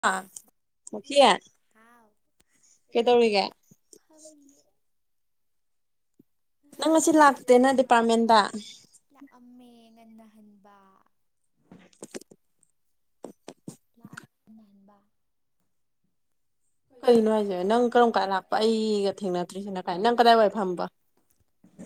ꯑ [unintelligible] ꯀꯩ ꯇꯧꯔꯤꯒꯦ? [unintelligible] ꯍ ꯉꯟꯅ ꯍꯟꯕ꯫ [inaudible] [unintelligible] [unintelligible]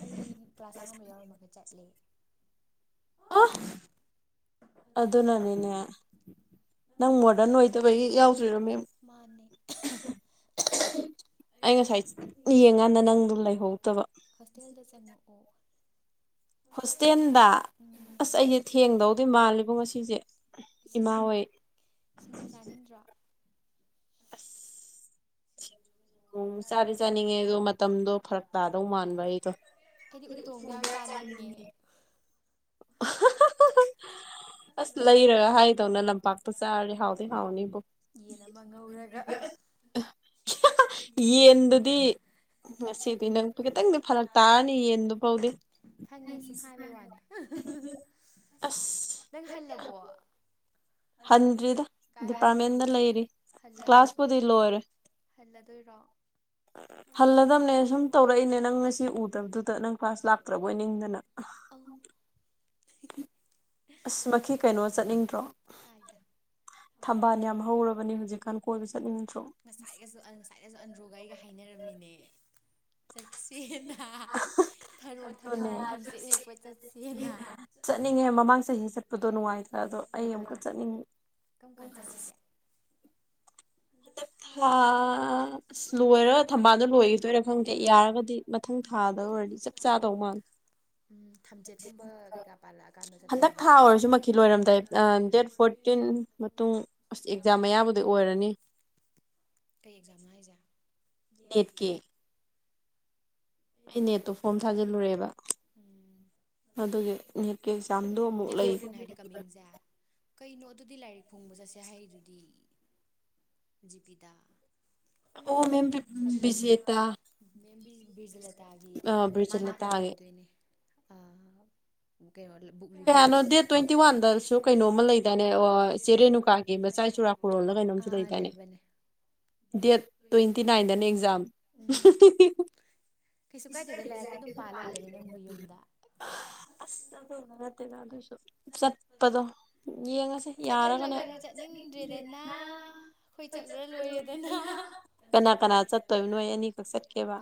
ꯑꯩ ꯀ꯭ꯂꯥꯁ ꯑꯍꯥꯟꯕ ꯌꯥꯎꯔꯝꯃꯒ ꯆꯠꯂꯦ꯫ ꯑ ꯑꯗꯨꯅꯅꯤꯅꯦ꯫ ꯅꯪ ꯃꯣꯗꯔꯟ ꯑꯣꯏꯗꯕꯒꯤ ꯌꯥꯎꯗ꯭ꯔꯤꯔꯣ ꯃꯦꯝ ꯑꯩ ꯉꯁꯥꯏ ꯌꯦꯡꯀꯥꯟꯗ ꯅꯪꯗꯣ ꯂꯩꯍꯧꯗꯕ꯫ ꯍꯣꯁꯇꯦꯜꯗ ꯑꯁ ꯑꯩꯁꯦ ꯊꯦꯡꯗꯧꯗꯤ ꯃꯥꯜꯂꯤꯕꯣ ꯉꯁꯤꯁꯦ ꯏꯃꯥ ꯍꯣꯏ ꯁꯤꯡꯁꯨ ꯆꯥꯅꯤꯡꯗ꯭ꯔꯥ ꯑꯁ ꯎꯝ ꯆꯥꯗꯤ ꯆꯥꯅꯤꯡꯉꯦ ꯑꯗꯣ ꯃꯇꯝꯗꯣ ꯐꯔꯛ ꯇꯥꯗꯧ ꯃꯥꯟꯕ ꯑꯩꯗꯣ [inaudible] ꯑꯁ ꯂꯩꯔꯒ ꯍꯥꯏꯗꯧꯅ ꯂꯝꯄꯥꯛꯇ ꯆꯥꯔꯗꯤ ꯍꯥꯎꯗꯤ ꯍꯥꯎꯅꯤꯕꯨ ꯌꯦꯟꯗꯨꯗꯤ ꯉꯁꯤꯗꯤ ꯅꯪ ꯈꯤꯇꯪꯗꯤ ꯐꯔꯛ ꯇꯥꯔꯅꯤ ꯌꯦꯟꯗꯨ ꯐꯧꯗꯤ ꯑꯁ ꯅꯪ ꯍꯜꯂꯕꯣ ꯍꯟꯗ꯭ꯔꯤꯗ ꯗꯤꯄꯥꯔꯠꯃꯦꯟꯗ ꯂꯩꯔꯤ ꯀ꯭ꯂꯥꯁꯄꯨꯗꯤ ꯂꯣꯏꯔꯦ ꯍꯜꯂꯗꯝꯕꯅꯦ ꯁꯨꯝ ꯇꯧꯔꯛꯏꯅꯦ ꯅꯪ ꯉꯁꯤ ꯎꯗꯕꯗꯨꯗ ꯅꯪ ꯀ꯭ꯂꯥꯁ ꯂꯥꯛꯇ꯭ꯔꯕꯣꯏ ꯅꯤꯡꯗꯅ ꯑꯁ ꯃꯩꯈꯦꯠ ꯀꯩꯅꯣ ꯆꯠꯅꯤꯡꯗ꯭ꯔꯣ ꯉꯁꯥꯏꯒꯁꯨ ꯉꯁꯥꯏꯒꯁꯨ ꯑꯟꯗ꯭ꯔꯣꯒ ꯑꯩꯒ ꯍꯥꯏꯅꯔꯝꯃꯤꯅꯦ ꯆꯠ ꯁꯦꯅ ꯊꯔꯣ ꯊꯝꯕꯥꯜ ꯊꯝꯆꯦꯠ ꯍꯦꯛꯄ ꯆꯠꯁꯦꯅ ꯆꯠꯄꯗꯣ ꯅꯨꯡꯉꯥꯏꯇ꯭ꯔꯥ ꯑꯗꯣ ꯑꯩ ꯑꯃꯨꯀ ꯆꯠꯅꯤꯡꯉꯤ ꯊꯥ ꯑꯁ ꯂꯣꯏꯔ ꯊꯝꯕꯥꯜꯗ ꯂꯣꯏꯈꯤꯗꯣꯏꯔꯥ ꯈꯪꯗꯦ ꯌꯥꯔꯒꯗꯤ ꯃꯊꯪ ꯊꯥꯗ ꯑꯣꯏꯔꯗꯤ ꯆꯞ ꯆꯥꯗꯧ ꯃꯥꯜꯂꯦ ꯍꯟꯗꯛ ꯊꯥ ꯑꯣꯏꯔꯁꯨ ꯃꯈꯤ ꯂꯣꯏꯔꯝꯗꯥꯏ ꯗꯦꯠ ꯐꯣꯔꯇꯤꯟ ꯃꯇꯨꯡ ꯑꯁ ꯑꯦꯛꯖꯥꯝ ꯃꯌꯥꯕꯨꯗꯤ ꯑꯣꯏꯔꯅꯤ ꯀꯩ ꯑꯦꯛꯖꯥꯝꯅꯣ ꯍꯥꯏꯁꯦ ꯗꯦꯠ ꯐꯣꯔꯇꯤꯟ ꯍꯥꯏꯗꯤ ꯀꯃꯤꯡꯖꯦ ꯀꯩꯅꯣ ꯑꯗꯨꯗꯤ ꯂꯥꯏꯔꯤꯛ ꯐꯣꯡꯕ ꯆꯠꯁꯦ ꯍꯥꯏꯗꯨꯗꯤ ꯖꯤꯄꯤꯗ ꯑꯣ ꯃꯦꯝ ꯕꯤꯖꯤꯇꯥ ꯖꯂꯇꯥꯒꯤ ꯃꯥꯅ ꯀꯩꯅꯣ ꯑꯣꯏꯗꯣꯏꯅꯦ ꯑ ꯀꯌꯥꯅꯣ ꯗꯦꯠ ꯇ꯭ꯋꯦꯟꯇꯤ ꯋꯥꯟꯗꯁꯨ ꯀꯩꯅꯣꯝꯃ ꯂꯩꯗꯥꯏꯅꯦ ꯑꯣ ꯆꯦꯔꯦꯅꯨꯀꯥꯒꯤ ꯃꯆꯥ ꯆꯨꯔꯥ ꯀꯣꯔꯣꯜꯂ ꯀꯩꯅꯣꯝꯁꯨ ꯂꯩꯗꯥꯏꯅꯦ ꯗꯦꯠ ꯇ꯭ꯋꯦꯟꯇꯤ ꯅꯥꯏꯟꯗꯅ ꯑꯦꯛꯖꯥꯝ ꯑꯁ ꯅꯠꯇꯦꯗ ꯑꯗꯨꯁꯨ ꯆꯠꯄꯗꯣ ꯌꯦꯡꯉꯁꯤ ꯌꯥꯔꯒꯅꯦ ꯀꯅꯥ ꯀꯅꯥ ꯆꯠꯇꯣꯏꯅꯣ ꯅꯣꯏ ꯑꯅꯤꯈꯛ ꯆꯠꯀ ꯀꯦꯕ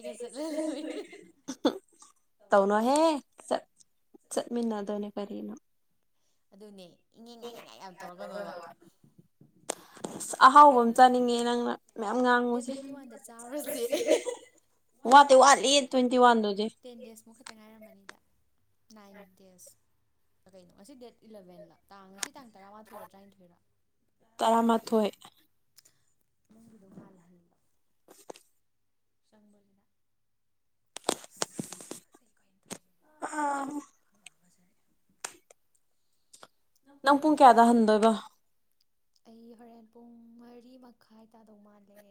ꯆꯠꯍꯜꯂꯣꯏ ꯆꯠꯃꯤꯟꯅꯗꯧꯅꯦ ꯀꯔꯤꯅꯣ ꯑꯗꯨꯅꯦ ꯑꯁ ꯑꯍꯥꯎꯕ ꯑꯃ ꯆꯥꯅꯤꯡꯉꯦ ꯅꯪꯅ ꯃꯌꯥꯝ ꯉꯥꯡꯉꯨꯁꯦ ꯋꯥꯠꯇꯦ ꯋꯥꯠꯂꯤ ꯇ꯭ꯋꯦꯟꯇꯤ ꯋꯥꯟꯗꯨꯗꯤ ꯅꯥꯏꯟ ꯗꯦꯖ ꯑꯗꫭ ꯉꯁꯤ ꯗꯦꯠ ꯏꯂꯕꯦꯟꯂ ꯇꯥꯡ ꯉꯁꯤ ꯇꯥꯡ ꯇꯔꯥꯃꯥꯊꯣꯏꯔꯥ ꯇꯔꯥꯅꯤꯊꯣꯏꯔ ꯅꯪꯒꯤꯗꫭ ꯉꯥꯜꯍꯟꯕ ꯆꯪꯕꯖꯤꯅ ꯑꯥ ꯍ ꯐꯖꯔꯛꯑꯦ ꯅꯪ ꯄꯨꯡ ꯀꯌꯥꯗ ꯍꯟꯗꫭꯏꯕ ꯑꯩ ꯍꯣꯔꯦꯟ ꯄꯨꯡ ꯃꯔꯤ ꯃꯈꯥꯏ ꯇꯥꯗꯧ ꯃꯥꯜꯂꯦ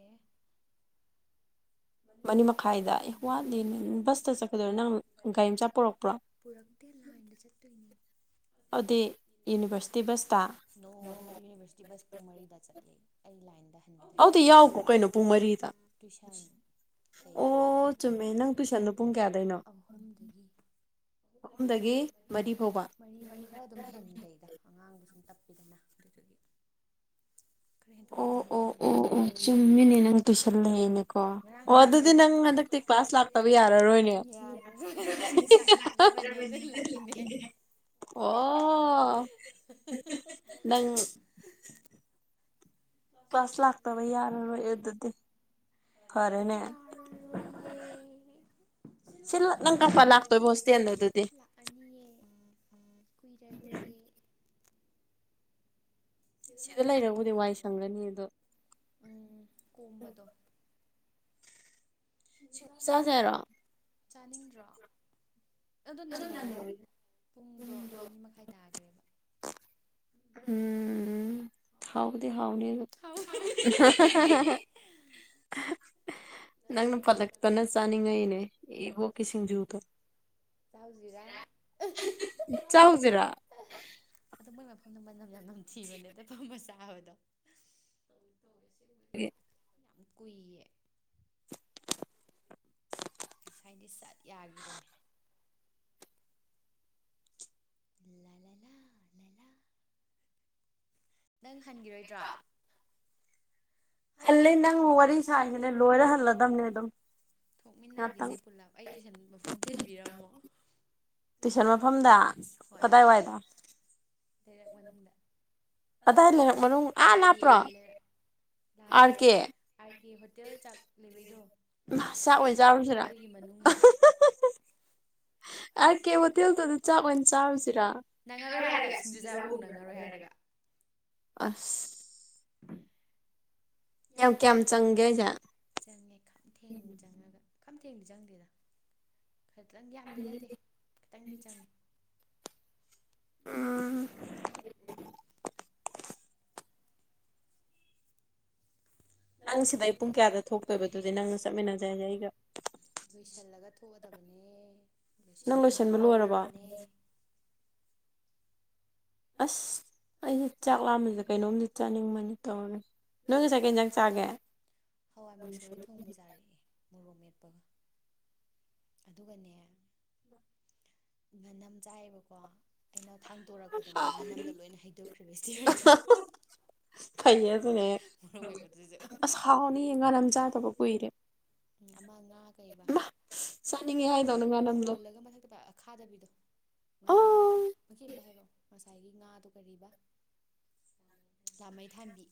ꯃꯔꯤ ꯃꯈꯥꯏꯗ ꯕꯁꯇ ꯆꯠꯇꫭꯏꯔꫭ ꯅꯪ ꯒꯥꯔꯤ ꯃꯆꯥ ꯄꯨꯔꯛꯄ꯭ꯔꫭ ꯄꯨꯔꯛꯇꯦ ꯂꯥꯏꯟꯗ ꯆꯠꯇꫭꯏꯅꯦ ꯑꯗꯨꯗꯤ ꯌꯨꯅꯤꯚꯔꯁꯤꯇꯤ ꯕꯁꯇ ꯅꫭ ꯌꯨꯅꯤꯚꯔꯁꯤꯇꯤ ꯕꯁ ꯄꯨꯡꯃꯔꯤꯗ ꯆꯠꯂꯦ ꯑꯩ ꯂꯥꯏꯟꯗ ꯑꯗꯨꯗꯤ ꯌꯥꯎꯒ꯭ꯔꫭ ꯀꯩꯅꯣ ꯄꯨꯡ ꯃꯔꯤꯗ ꯂꯩꯌꯦ ꯑꫭ ꯆꯨꯝꯃꯦ ꯅꯪ ꯇꯨꯏꯁꯟꯗꫭ ꯄꯨꯡ ꯀꯌꯥꯗꯩꯅꫭ ꯑꯍꯨꯝ ꯗꯒꯤ ꯃꯔꯤ ꯐꯥꯎꯕ ꯍꯣꯏ ꯈꯔ ꯑꯗꯨꯝ ꯍꯦꯟꯗꯩꯗ ꯑꯉꯥꯡ ꯗꯨ ꯁꯨꯝ ꯇꯞꯄꯤꯗꯅ ꯑꯗꯨꯗꯨꯒꯤ ꯑꯣ ꯑꯣ ꯑꯣ ꯑꯣ ꯆꯨꯝꯃꯤꯅꯦ ꯅꯪ ꯇꯨꯏꯁꯟꯂꯩꯌꯦꯅꯦ ꯀꫭ ꯑꯣ ꯑꯗꯨꯗꯤ ꯅꯪ ꯍꯟꯗꯛꯇꯤ ꯀ꯭ꯂꯥꯁ ꯂꯥꯛꯇꯕ ꯌꯥꯔꯔꯣꯏꯅꯦ ꯌꯥꯔꯔꫭꯏꯅꯦ ꯑꯣ ꯅꯪ ꯀ꯭ꯂꯥꯁ ꯂꯥꯛꯇꯕ ꯌꯥꯔꯔꯣꯏ ꯑꯗꯨꯗꯤ ꯐꯔꯦꯅꯦ ꯁꯤ ꯂ ꯅꯪ ꯀꯔꯝ ꯀꯥꯟ ꯂꯥꯛꯇꯣꯏꯕ ꯍꯣꯁꯇꯦꯜ ꯗꯗꯤ ꯁꯤꯗ ꯂꯩꯔꯕꯨꯗꯤ ꯋꯥꯏ ꯁꯪꯒꯅꯤ ꯑꯗꯣ ꯁꯤꯡꯖꯨ ꯆꯥꯁꯦ ꯍꯥꯏꯔꫭ ꯆꯥꯅꯤꯡꯗ꯭ꯔꫭ ꯑꯗꯣ ꯅꯪꯉꯔꯣꯏꯗ ꯄꯨꯡꯗꯣ ꯑꯅꯤ ꯃꯈꯥꯏ ꯇꯥꯈ꯭ꯔꯦꯕ ꯎꯝ ꯍꯥꯎꯕꯨꯗꯤ ꯍꯥꯎꯅꯤ ꯑꯗꯨ ꯅꯪꯅ ꯄꯠꯂꯛꯇꯅ ꯆꯥꯅꯤꯡꯉꯥꯏꯅꯦ ꯏꯕꫭꯛꯀꯤ ꯁꯤꯡꯖꯨꯗꯣ ꯆꯥꯎꯁꯤꯔꯥ ꯆꯥꯎꯁꯤꯔꯥ ꯑꯗ ꯃꫭꯏ ꯃꯐꯝ ꯃꯅꯝ ꯌꯥꯝ ꯅꯝ ꯊꯤꯕꯅꯦ ꯑꯗ ꯐꯝꯃ ꯆꯥ ꯆꯥꯕꯗꫭ ꯒꯤ ꯌꯥꯝ ꯀꯨꯏꯌꯦ ꯉꯁꯥꯏꯗꯤ ꯁꯠ ꯌꯥꯈꯤꯕꯅꯦ [unintelligible] ꯅꯪ ꯍꯟꯈꯤꯔꯣꯏꯗ꯭ꯔꫭ ꯍꯂꯦ ꯅꯪ ꯋꯥꯔꯤ ꯁꯥꯥꯔꯤꯁꯤꯅꯦ ꯂꯣꯏꯔ ꯍꯜꯂꯗꯝꯅꯦ ꯑꯗꯨꯝ ꯊꯣꯛꯃꯤꯟꯅꯈꯤꯁꯦ ꯄꯨꯂꯥꯞ ꯑꯩ ꯇꯨꯏꯁꯟ ꯃꯐꯝ ꯊꯤꯟꯕꯤꯔꯝꯃꯣ ꯇꯨꯏꯁꯟ ꯃꯐꯝꯗ ꯀꯗꯥꯏꯋꯥꯏꯗ ꯂꯩꯔꯛ ꯃꯅꯨꯡꯗ ꯥꯔ ꯀꯦ ꯒꯤ ꯂꯩꯔꯛꯄ ꯑꯥꯔ ꯀꯦ ꯍꯣꯇꯦꯜ ꯆꯥꯛ ꯂꯩꯕꯩꯗꯣ ꯑꯗꯨꯒꯤ ꯃꯅꯨꯡꯗ ꯔ ꯀꯦ ꯍꯣꯇꯦꯜꯗꯨꯗꯤ ꯆꯥꯛ ꯑꯣꯏꯅ ꯆꯥꯔꯨꯁꯤꯔꯥ ꯁꯤꯡꯖꯨ ꯆꯥꯕ ꯐꯎ ꯅꯪꯉꯔꯣꯏ ꯍꯥꯏꯔꯒ ꯑꯁ ꯀꯌꯥꯝ ꯀꯌꯥꯝ ꯆꯪꯒꯦ ꯍꯥꯏꯖ ꯈꯝꯊꯦꯡ ꯆꯪꯉꯒ ꯈꯝꯊꯦꯡꯗꯤ ꯆꯪꯗꯦꯗ ꯈꯖꯤꯇꯪ ꯌꯥꯝꯗꯤ ꯅꯠꯇꯦ ꯈꯤꯇꯪꯗꯤ ꯆꯪꯉꯤ [inaudible] ꯅꯪ ꯁꯤꯗꯩꯩ ꯄꯨꯡ ꯀꯌꯥꯗ ꯊꯣꯛꯇꯣꯏꯕꯗꯨꯗꯤ ꯅꯪꯅ ꯆꯠꯃꯤꯟꯅꯗꯣꯏꯗꯤ ꯑꯩꯒ [unintelligible] ꯅꯪ ꯂꯣꯏꯁꯤꯟꯕ ꯂꯣꯏꯔꯕ ꯑꯁ ꯑꯩꯁꯦ ꯆꯥꯛ ꯂꯥꯝꯕꯖꯤꯗ ꯀꯩꯅꯣꯝꯗꯤ ꯆꯥꯅꯤꯡꯕꯅꯤ ꯇꯧꯔꯤꯁꯦ ꯅꯣꯏ ꯉꯁꯥꯏ ꯀꯩ ꯏꯟꯖꯥꯡ ꯆꯥꯒꯦ ꯃꯣꯔꯣꯛ ꯃꯦꯠꯄꯒ ꯑꯗꯨꯒꯅꯦ ꯉꯅꯝ ꯆꯥꯏꯌꯦꯕꯀꯣ ꯑꯩꯅ ꯊꯥꯡꯗꯣꯛ ꯉꯥꯅꯝꯗꯣ ꯂꯣꯏꯅ ꯍꯩꯗꯣꯛꯈ꯭ꯔꯦꯕ ꯏꯁꯇꯌꯥꯔꯗ ꯃꯣꯔꯣꯛ ꯃꯦꯠꯄꯗꯨꯖꯨ ꯑꯃ ꯉꯥ ꯀꯩꯕ ꯈꯣꯜꯂꯒ ꯃꯊꯛꯇ ꯈꯥꯗꯕꯤꯗꯣ ꯉꯥ ꯑꯃ ꯑꯃꯝꯇ ꯍꯥꯏꯔꯛꯑꯣ ꯉꯁꯥꯏꯒꯤ ꯉꯥꯗꯨꯣ ꯀꯔꯤꯕ ꯂꯥꯃꯩ ꯊꯥꯟꯝꯕꯤ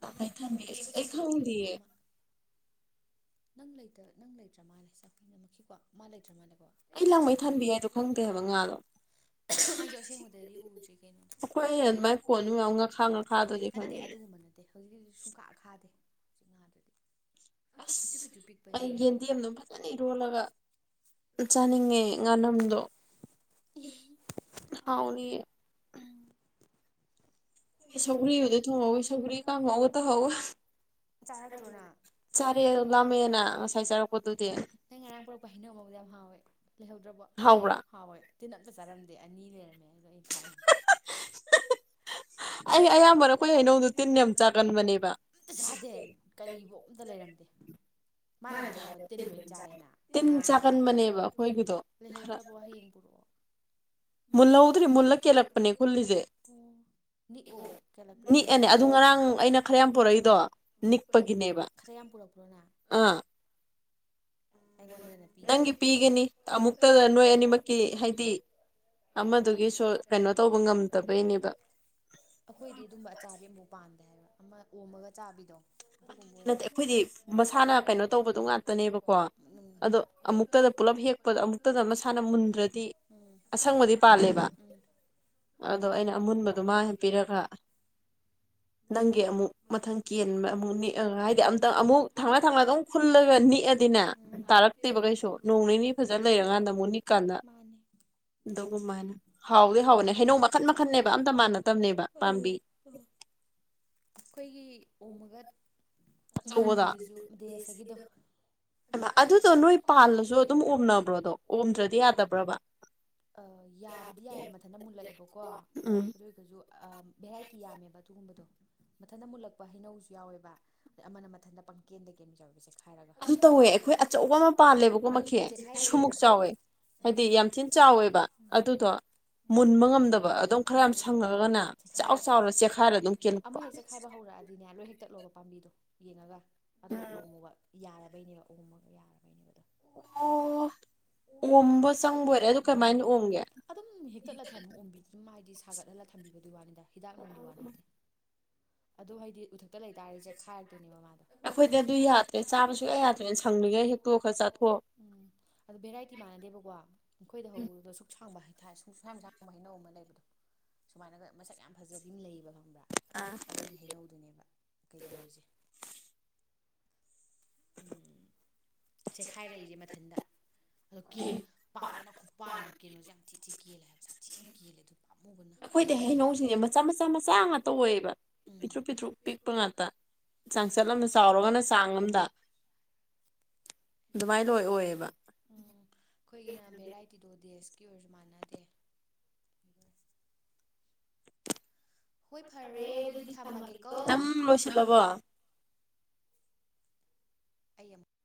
ꯂꯥꯃꯩ ꯊꯟꯕꯤ ꯑꯩ ꯈꯪꯗꯤꯌꯦ ꯅꯪ ꯂꯩꯇ ꯅꯪ ꯂꯩꯇ꯭ꯔ ꯃꯥꯅꯦ [unintelligible] ꯃꯥ ꯂꯩ꯭ꯔ ꯃꯥꯅꯦ ꯑꯩꯁꯨ ꯑꯁꯦꯡꯕꯗꯗꯤ ꯎꯗ꯭ꯔꯤ ꯀꯩꯅꯣ ꯅꯠꯇꯦ ꯑꯗꯨꯒꯨꯝꯕ ꯅꯠꯇꯦ ꯍꯧꯖꯤꯛꯀꯤꯗꯨꯗꯤ ꯁꯨꯡꯈ ꯈꯥꯗꯦ [inaudible] ꯆꯥꯔꯛꯇ꯭ꯔꯣ ꯅꯪ ꯅꯪ ꯉꯔꯥꯡ ꯄꯨꯔꯛꯄ ꯍꯩꯅꯧꯗꯣ ꯌꯥꯝ ꯍꯥꯎꯋꯦ ꯂꯩꯍꯧꯗ꯭ꯔꯕꯣ ꯍꯥꯎꯋꯦ ꯇꯤꯟ ꯑꯝꯇ ꯆꯥꯔꯝꯗꯦ ꯑꯅꯤ ꯂꯩꯔꯝꯃꯦ ꯑꯗꯣ ꯑꯩ ꯈꯥꯛꯏ ꯑꯩ ꯑꯌꯥꯝꯕꯅ ꯑꯩꯈꯣꯏ ꯍꯩꯅꯧꯗꯣ ꯇꯤꯟ ꯌꯥꯝ ꯆꯥꯒꯟꯕꯅꯦꯕ ꯃꯥꯅꯗꯤ ꯍꯥꯏꯕꯣ ꯇꯤꯟ ꯂꯣꯏ ꯆꯥꯏꯌꯦꯅ ꯃꯉꯥꯡ ꯆꯥꯕꯗ ꯂꯩꯍꯧꯗ꯭ꯔꯕꯣ ꯍꯌꯦꯡ ꯄꯨꯔꯛꯑꯣ [unintelligible] ꯅꯤꯛꯑꯣ ꯀꯦꯜꯂꯛꯄ꯭ꯔ ꯌꯦꯡꯉꯣ ꯈꯔ ꯌꯥꯝ ꯄꯨꯔꯛꯄ꯭ꯔꯣꯅꯪ ꯑꯩꯉꯣꯟꯗꯗꯅꯥ ꯄꯤꯗꯕ ꯑꯩꯈꯣꯏꯗꯤ ꯑꯗꯨꯝꯕ ꯑꯆꯥꯕꯤ ꯑꯃꯐꯥꯎ ꯄꯥꯟꯗꯦ ꯍꯥꯏꯕ ꯑꯃ ꯑꯣꯝꯃꯒ ꯆꯥꯕꯤꯗꯣ ꯅꯠꯇꯦ ꯑꯩꯈꯣꯏꯗꯤ ꯃꯁꯥꯅ ꯀꯩꯅꯣ ꯇꯧꯕꯗꯣ ꯉꯥꯛꯇꯅꯦꯕꯀꯣ ꯑꯗꯣ ꯑꯃꯨꯛꯇꯗ ꯄꯨꯜꯂꯞ ꯍꯦꯛꯄꯗ ꯑꯃꯨꯛꯇꯗ ꯃꯁꯥꯅ ꯃꯨꯟꯗ꯭ꯔꯗꯤ ꯑꯁꯪꯕꯗꯤ ꯄꯥꯜꯂꯦꯕ ꯑꯗꯣ ꯑꯩꯅ ꯑꯃꯨꯟꯕꯗꯣ ꯃꯥ ꯄꯤꯔꯒ ꯅꯪꯒꯤ ꯑꯃꯨꯛ ꯃꯊꯪ ꯀꯦꯟꯕ ꯑꯃꯨꯛꯅꯤ ꯍꯥꯏꯗꯤ ꯑꯝꯇꯪ ꯑꯃꯨꯛ ꯊꯥꯡꯅꯥ ꯊꯥꯡꯅ ꯑꯗꯨꯝ ꯈꯨꯨꯜꯂꯒ ꯅꯤꯛꯑꯗꯤꯅꯦ ꯇꯥꯔꯛꯇꯦꯕ ꯀꯩꯁꯨ ꯅꯣꯡ ꯅꯤꯅꯤ ꯐꯖꯅ ꯂꯩꯔꯀꯥꯟꯗ ꯑꯃꯨꯛ ꯅꯤꯛꯀꯥꯟꯗ ꯑꯗꯨꯒꯃꯥꯏꯅ ꯍꯥꯎꯗꯤ ꯍꯥꯎꯋꯅꯦ ꯍꯩꯅꯧ ꯃꯈꯟ ꯃꯈꯟꯅꯦꯕ ꯑꯝꯇ ꯃꯥꯟꯅꯗꯕꯅꯦꯕ ꯄꯥꯝꯕꯤ ꯑꯩꯈꯣꯏꯒꯤ ꯑꫭꯝꯃꯒ ꯃꯨꯟꯕꯤꯗꯨꯁꯨ ꯗꯦꯁꯒꯤꯗꯣ ꯑ ꯌꯥꯕꯨꯗꯤ ꯌꯥꯏꯑꯕ ꯃꯊꯟꯇ ꯃꯨꯜꯂꯛꯑꯦꯕꯀꯣ ꯑꯗꯨ ꯑꯣꯏꯔꯒꯁꯨ ꯕꯦꯔꯥꯏꯇꯤ ꯌꯥꯝꯕ ꯑꯗꯨꯒꯨꯝꯕꯗꯣ ꯃꯊꯟꯗ ꯃꯨꯜꯂꯛꯄ ꯍꯩꯅꯧꯁꯨ ꯌꯥꯎꯋꯦꯕ ꯑꯗꯩ ꯑꯃꯅ ꯃꯊꯟꯇ ꯄꯪꯀꯦꯟꯗ ꯀꯩꯅꯣ ꯌꯥꯎꯋꯦꯕ ꯑꯗꯨ ꯆꯦꯛꯈꯥꯏꯔꯛꯏꯗꯣ ꯑꯥꯥꯏ ꯑꯃ ꯍꯦꯛ ꯆꯠꯈꯥꯏꯕ ꯍꯧꯔꯛꯑꯗꯤꯅꯦ ꯂꯣꯏ ꯍꯦꯛ ꯇꯠꯂꯣꯕ ꯄꯥꯝꯕꯤꯗꯣ ꯀꯦꯂꯒ ꯑꯗꯨꯒ ꯎꯝꯃꯨꯒ ꯌꯥ ꯌꯥꯕꯩꯅꯦꯕ ꯑꯍꯣꯡꯃꯒ ꯌꯥꯔꯕꯩꯅꯦꯕꯗꯣ ꯑꯗꯨꯝ ꯍꯦꯛꯇꯠꯂ ꯊꯝꯃ ꯑꯣꯡꯕꯤ ꯑꯗꯨꯝ ꯍꯥꯏꯗꯤ ꯁꯥꯒꯠꯍꯜꯂ ꯊꯝꯕꯤꯕꯗꯨ ꯋꯥꯅꯤꯗ ꯍꯤꯗꯥꯛ ꯅꯨꯡꯒꯤ ꯋꯥꯅꯤ ꯑꯗꯨ ꯍꯥꯏꯗꯤ ꯎꯊꯛꯇ ꯂꯩꯇꯥꯔꯤꯁꯦ ꯈꯥꯏꯔꯛꯇꯣꯏꯅꯦꯕ ꯃꯥꯜꯂꯦ ꯎꯝ ꯑꯗꯨ ꯚꯦꯔꯥꯏꯇꯤ ꯃꯥꯟꯅꯗꯦꯕꯀꯣ ꯑꯩꯈꯣꯏꯗ ꯍꯧꯔꯒ ꯑꯨꯛꯁꯥꯡꯕ ꯍꯥꯏꯦ ꯁꯨꯡꯁꯥꯏ ꯌꯥꯝꯁꯥꯡꯕ ꯍꯩꯅꯧ ꯑꯃ ꯂꯩꯕꯗꯣ ꯁꯨꯃꯥꯏꯅꯒ ꯃꯁꯛ ꯌꯥꯝ ꯐꯖꯕꯤ ꯑꯃ ꯂꯩꯌꯦꯕ ꯈꯕ꯭ꯔ ꯑꯗꯨꯒꯤ ꯍꯩꯅꯧꯗꯨꯅꯦꯕ ꯀꯩꯗꯧꯔꯤꯁꯦ ꯎꯝ ꯆꯦꯈꯥꯏꯔꯛꯏꯔꯦ ꯃꯊꯟꯗ ꯑꯗꯣ ꯀꯦꯟꯨ ꯄꯥꯟꯕꯅ ꯈꯨꯄꯥꯟ ꯀꯦꯟꯂꯁꯨ ꯌꯥꯝ ꯊꯤ ꯊꯤ ꯀꯦꯜꯂꯦ ꯍꯥꯏꯕꯁꯦ ꯁꯥꯊꯦꯡꯅ [unintelligible] [unintelligible] ꯎꯝ ꯑꯩꯈꯣꯏꯅ ꯚꯦꯔꯥꯏꯇꯤꯗꯣ ꯗꯦꯁ ꯃꯥꯟꯅꯗꯦ ꯍꯣꯏ ꯐꯔꯦ ꯑꯗꯨꯗꯤ ꯊꯝꯃꯒꯦꯀꯣ [unintelligible]